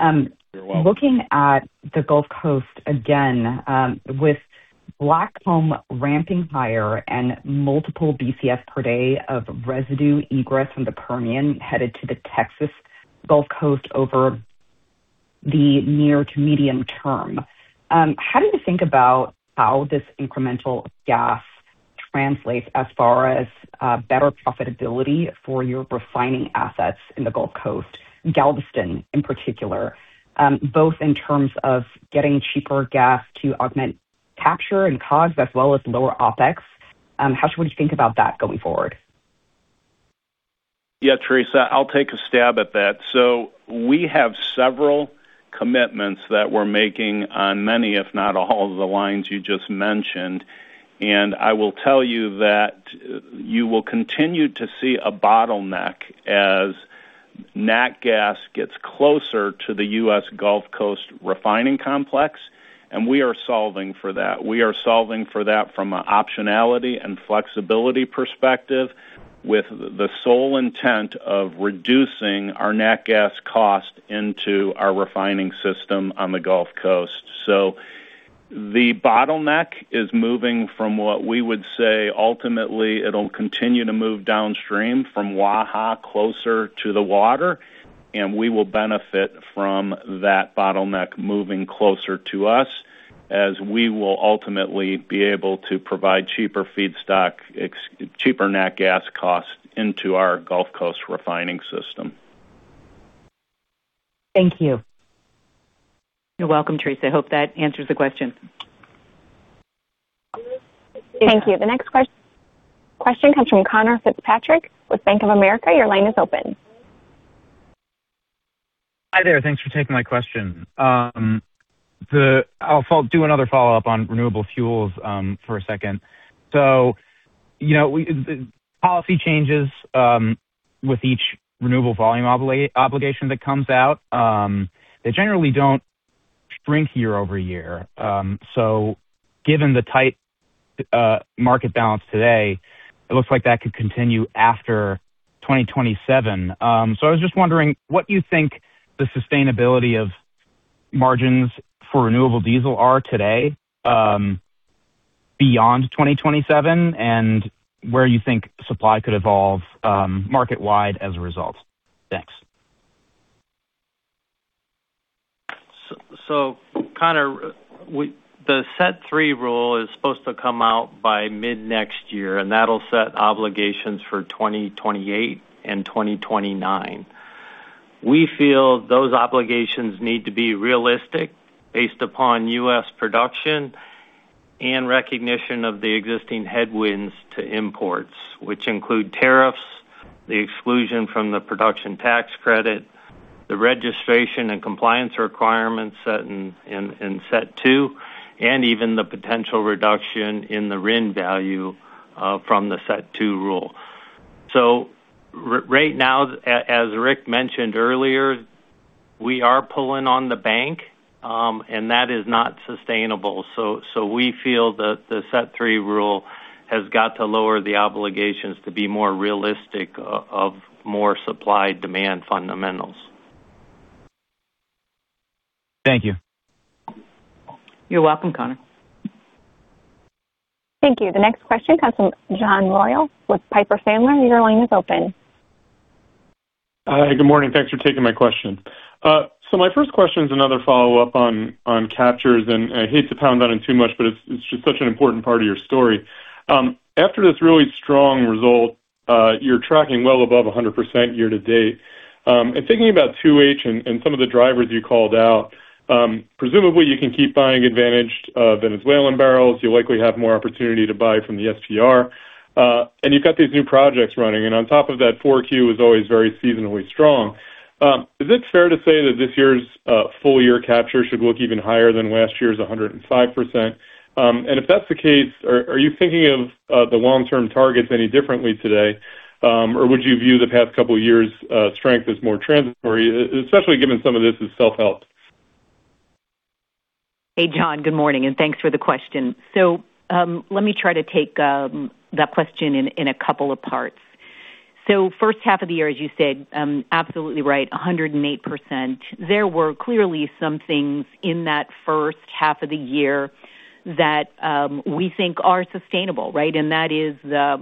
Speaker 6: You're welcome.
Speaker 12: Looking at the Gulf Coast again, with Blackcomb ramping higher and multiple BCF per day of residue egress from the Permian headed to the Texas Gulf Coast over the near to medium term, how do you think about how this incremental gas translates as far as better profitability for your refining assets in the Gulf Coast, Galveston in particular, both in terms of getting cheaper gas to augment capture and COGS as well as lower OPEX? How should we think about that going forward?
Speaker 6: Yeah, Theresa, I'll take a stab at that. We have several commitments that we're making on many, if not all, of the lines you just mentioned. I will tell you that you will continue to see a bottleneck as natural gas gets closer to the U.S. Gulf Coast refining complex, and we are solving for that. We are solving for that from an optionality and flexibility perspective with the sole intent of reducing our natural gas cost into our refining system on the Gulf Coast. The bottleneck is moving from what we would say, ultimately it'll continue to move downstream from WAHA closer to the water, and we will benefit from that bottleneck moving closer to us as we will ultimately be able to provide cheaper feedstock, cheaper natural gas costs into our Gulf Coast refining system.
Speaker 12: Thank you.
Speaker 3: You're welcome, Theresa. I hope that answers the question.
Speaker 1: Thank you. The next question comes from Conor Fitzpatrick with Bank of America. Your line is open.
Speaker 13: Hi there. Thanks for taking my question. I'll do another follow-up on renewable fuels for a second. Policy changes with each renewable volume obligation that comes out, they generally don't shrink year-over-year. Given the tight market balance today, it looks like that could continue after 2027. I was just wondering, what do you think the sustainability of margins for renewable diesel are today beyond 2027 and where you think supply could evolve market-wide as a result? Thanks.
Speaker 14: Connor, the Set 3 rule is supposed to come out by mid-next year, and that'll set obligations for 2028 and 2029. We feel those obligations need to be realistic based upon U.S. production and recognition of the existing headwinds to imports, which include tariffs, the exclusion from the production tax credit, the registration and compliance requirements set in Set 2, and even the potential reduction in the RIN value from the Set 2 rule. Right now, as Rick mentioned earlier, we are pulling on the bank, and that is not sustainable. We feel that the Set 3 rule has got to lower the obligations to be more realistic of more supply-demand fundamentals.
Speaker 13: Thank you.
Speaker 3: You're welcome, Connor.
Speaker 1: Thank you. The next question comes from John Royall with Piper Sandler. Your line is open.
Speaker 15: Hi, good morning. Thanks for taking my question. My first question is another follow-up on captures, and I hate to pound on it too much, but it's just such an important part of your story. After this really strong result, you're tracking well above 100% year to date. Thinking about 2H and some of the drivers you called out, presumably you can keep buying advantaged Venezuelan barrels. You'll likely have more opportunity to buy from the SPR. You've got these new projects running. On top of that, four Q is always very seasonally strong. Is it fair to say that this year's full-year capture should look even higher than last year's 105%? If that's the case, are you thinking of the long-term targets any differently today? Would you view the past couple of years' strength as more transitory, especially given some of this is self-help?
Speaker 3: Hey, John. Good morning, and thanks for the question. Let me try to take that question in a couple of parts. First half of the year, as you said, absolutely right, 108%. There were clearly some things in that first half of the year that we think are sustainable, right? That is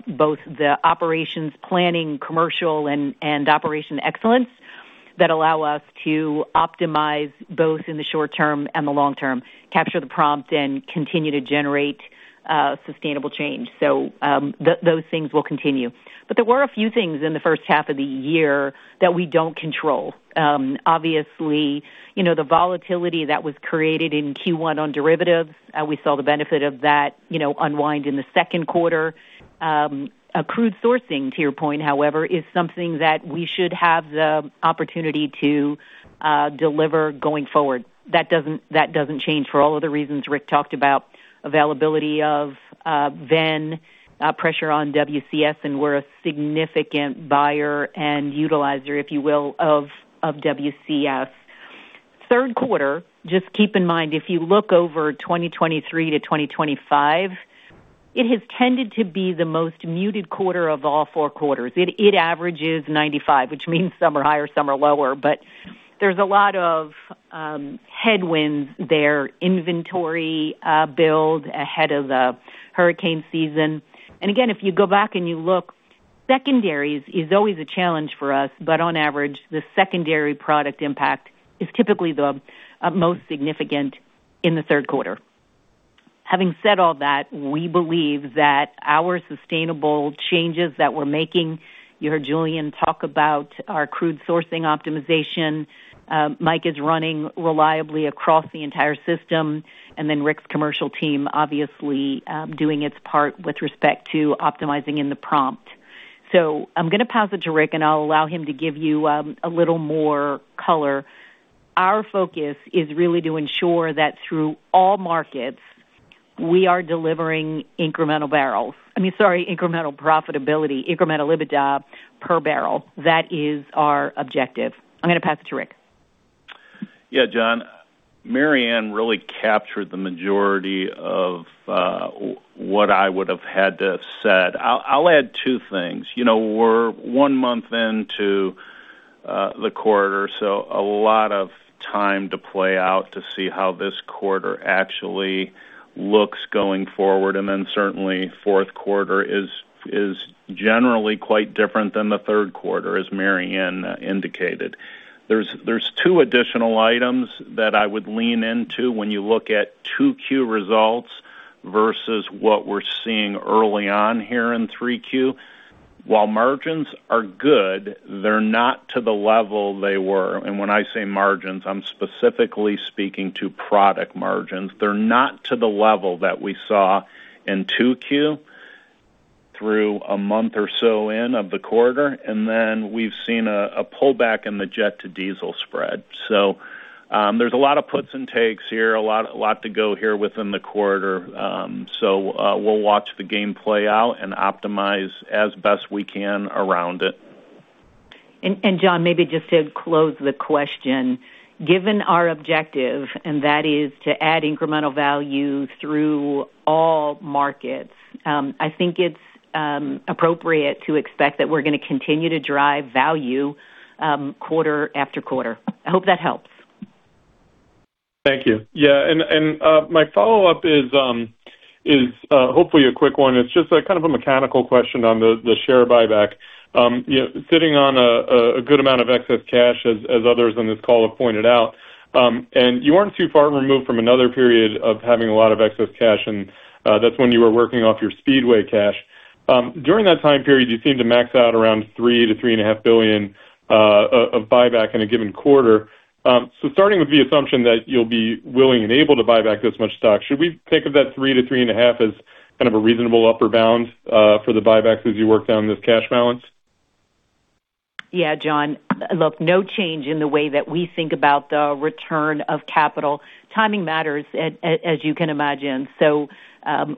Speaker 3: both the operations planning, commercial and operation excellence that allow us to optimize both in the short term and the long term, capture the prompt, and continue to generate sustainable change. Those things will continue. There were a few things in the first half of the year that we don't control. Obviously, the volatility that was created in Q1 on derivatives, we saw the benefit of that unwind in the second quarter. Crude sourcing, to your point, however, is something that we should have the opportunity to deliver going forward. That doesn't change for all of the reasons Rick talked about, availability of VEN, pressure on WCS, and we're a significant buyer and utilizer, if you will, of WCS. Third quarter, just keep in mind, if you look over 2023 to 2025, it has tended to be the most muted quarter of all four quarters. It averages 95%, which means some are higher, some are lower. There's a lot of headwinds there, inventory build ahead of the hurricane season. Again, if you go back and you look, secondaries is always a challenge for us, but on average, the secondary product impact is typically the most significant in the third quarter. Having said all that, we believe that our sustainable changes that we are making, you heard Julian talk about our crude sourcing optimization. Mike is running reliably across the entire system. Rick's commercial team, obviously, doing its part with respect to optimizing in the prompt. I'm going to pass it to Rick, and I'll allow him to give you a little more color. Our focus is really to ensure that through all markets, we are delivering incremental profitability, incremental EBITDA per barrel. That is our objective. I'm going to pass it to Rick.
Speaker 6: Yeah, John, Maryann Mannen really captured the majority of what I would have had to have said. I'll add two things. We're one month into the quarter, a lot of time to play out to see how this quarter actually looks going forward. Certainly fourth quarter is generally quite different than the third quarter, as Maryann Mannen indicated. There's two additional items that I would lean into when you look at 2Q results versus what we're seeing early on here in 3Q. While margins are good, they're not to the level they were. When I say margins, I'm specifically speaking to product margins. They're not to the level that we saw in 2Q through a month or so in of the quarter. We've seen a pullback in the jet-to-diesel spread. There's a lot of puts and takes here, a lot to go here within the quarter. We'll watch the game play out and optimize as best we can around it.
Speaker 3: John, maybe just to close the question, given our objective, that is to add incremental value through all markets, I think it's appropriate to expect that we're going to continue to drive value quarter after quarter. I hope that helps.
Speaker 15: Thank you. My follow-up is hopefully a quick one. It's just a mechanical question on the share buyback. Sitting on a good amount of excess cash, as others on this call have pointed out, you weren't too far removed from another period of having a lot of excess cash, and that's when you were working off your Speedway cash. During that time period, you seemed to max out around $3 billion-$3.5 billion of buyback in a given quarter. Starting with the assumption that you'll be willing and able to buy back this much stock, should we think of that $3 billion-$3.5 billion as kind of a reasonable upper bound for the buybacks as you work down this cash balance?
Speaker 3: John. No change in the way that we think about the return of capital. Timing matters, as you can imagine.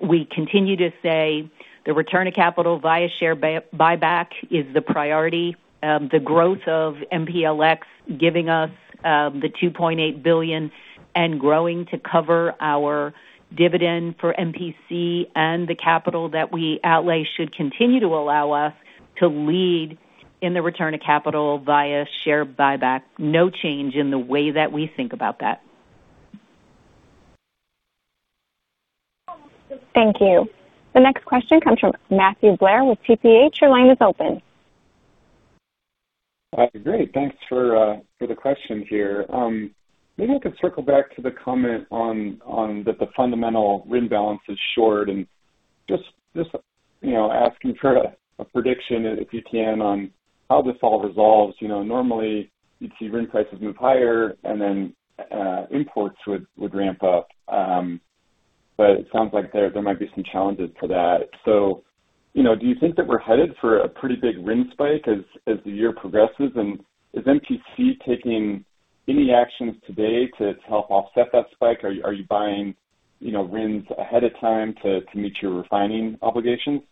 Speaker 3: We continue to say the return of capital via share buyback is the priority. The growth of MPLX giving us the $2.8 billion and growing to cover our dividend for MPC and the capital that we outlay should continue to allow us to lead in the return of capital via share buyback. No change in the way that we think about that.
Speaker 1: Thank you. The next question comes from Matthew Blair with TPH. Your line is open.
Speaker 16: Great. Thanks for the question here. Maybe I could circle back to the comment on that the fundamental RIN balance is short and just asking for a prediction, if you can, on how this all resolves. Normally, you'd see RIN prices move higher and then imports would ramp up. It sounds like there might be some challenges to that. Do you think that we're headed for a pretty big RIN spike as the year progresses? And is MPC taking any actions today to help offset that spike? Are you buying RINs ahead of time to meet your refining obligations?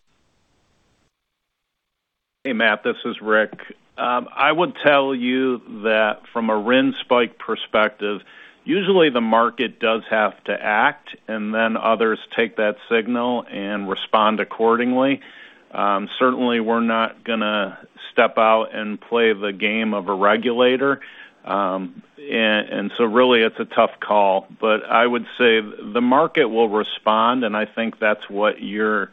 Speaker 6: Hey, Matt, this is Rick. I would tell you that from a RIN spike perspective, usually the market does have to act and then others take that signal and respond accordingly. Certainly, we're not going to step out and play the game of a regulator. Really it's a tough call. I would say the market will respond, and I think that's what you're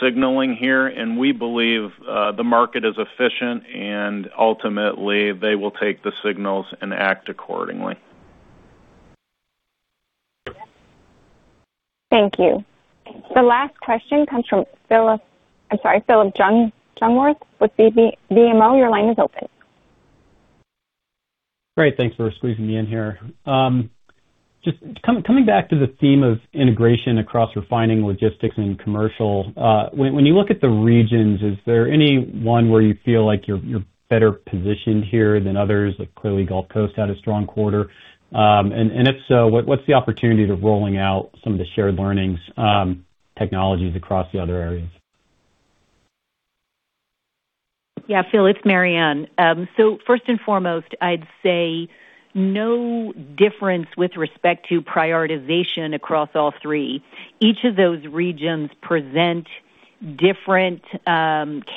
Speaker 6: signaling here. We believe the market is efficient, and ultimately, they will take the signals and act accordingly.
Speaker 1: Thank you. The last question comes from Phillip Jungwirth with BMO. Your line is open.
Speaker 17: Great. Thanks for squeezing me in here. Just coming back to the theme of integration across refining, logistics, and commercial. When you look at the regions, is there any one where you feel like you're better positioned here than others? Like clearly Gulf Coast had a strong quarter. If so, what's the opportunity to rolling out some of the shared learnings technologies across the other areas?
Speaker 3: Yeah, Phillip, it's Maryann. First and foremost, I'd say no difference with respect to prioritization across all three. Each of those regions present different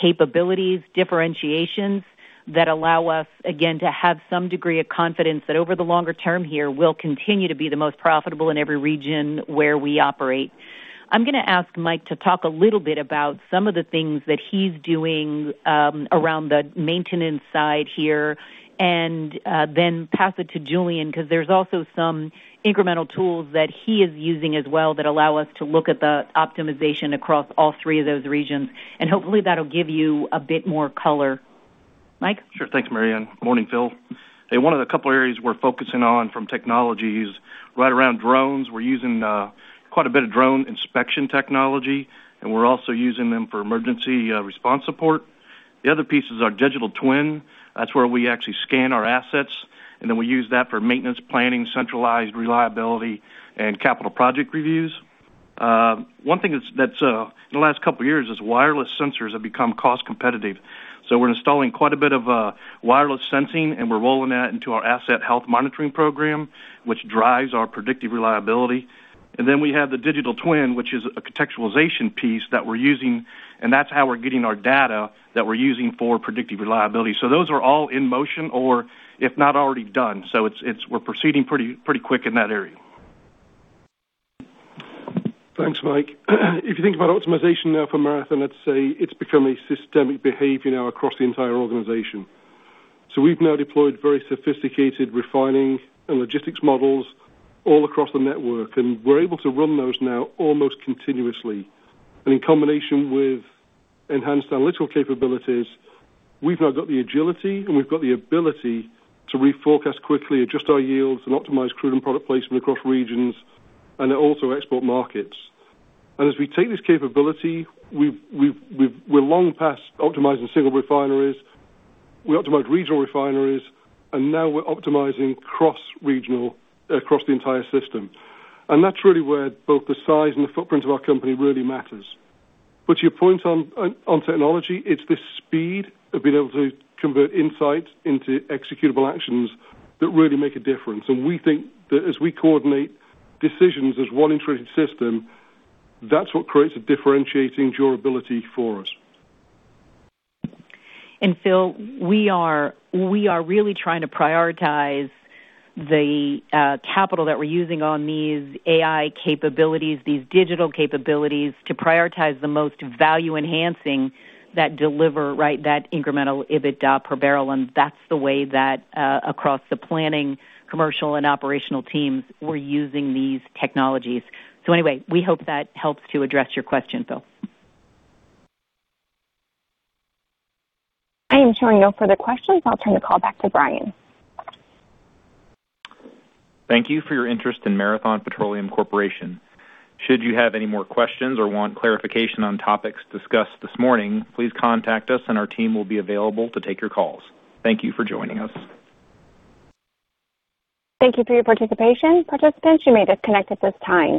Speaker 3: capabilities, differentiations that allow us, again, to have some degree of confidence that over the longer term here we'll continue to be the most profitable in every region where we operate. I'm going to ask Mike to talk a little bit about some of the things that he's doing around the maintenance side here, then pass it to Julian, because there's also some incremental tools that he is using as well that allow us to look at the optimization across all three of those regions, hopefully that'll give you a bit more color. Mike?
Speaker 18: Sure. Thanks, Maryann. Morning, Phillip. One of the couple areas we're focusing on from technology is right around drones. We're using quite a bit of drone inspection technology, and we're also using them for emergency response support. The other piece is our digital twin. That's where we actually scan our assets, and then we use that for maintenance planning, centralized reliability, and capital project reviews. One thing that's, in the last couple of years, is wireless sensors have become cost competitive. We're installing quite a bit of wireless sensing, and we're rolling that into our asset health monitoring program, which drives our predictive reliability. Then we have the digital twin, which is a contextualization piece that we're using, and that's how we're getting our data that we're using for predictive reliability. Those are all in motion or if not already done. We're proceeding pretty quick in that area.
Speaker 7: Thanks, Mike. If you think about optimization now for Marathon, let's say it's become a systemic behavior now across the entire organization. We've now deployed very sophisticated refining and logistics models all across the network, and we're able to run those now almost continuously. In combination with enhanced analytical capabilities, we've now got the agility and we've got the ability to reforecast quickly, adjust our yields, and optimize crude and product placement across regions and also export markets. As we take this capability, we're long past optimizing single refineries. We optimize regional refineries, and now we're optimizing cross-regional across the entire system. That's really where both the size and the footprint of our company really matters. Your point on technology, it's the speed of being able to convert insights into executable actions that really make a difference. We think that as we coordinate decisions as one integrated system, that's what creates a differentiating durability for us.
Speaker 3: Phillip, we are really trying to prioritize the capital that we're using on these AI capabilities, these digital capabilities to prioritize the most value enhancing that deliver that incremental EBITDA per barrel. That's the way that across the planning, commercial, and operational teams, we're using these technologies. Anyway, we hope that helps to address your question, Phillip.
Speaker 1: I am showing no further questions. I'll turn the call back to Brian.
Speaker 2: Thank you for your interest in Marathon Petroleum Corporation. Should you have any more questions or want clarification on topics discussed this morning, please contact us and our team will be available to take your calls. Thank you for joining us.
Speaker 1: Thank you for your participation. Participants, you may disconnect at this time.